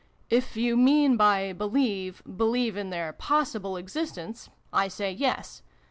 "If you mean, by ' believe,' ' believe in their possible existence,' I say 'Yes.'